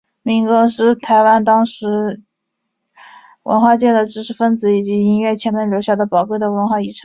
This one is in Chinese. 民歌是台湾当时文化界的知识份子和音乐前辈留下的宝贵的文化遗产。